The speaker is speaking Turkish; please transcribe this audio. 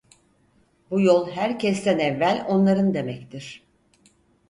Bu yol herkesten evvel onların demektir.